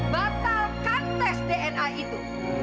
batalkan tes dna itu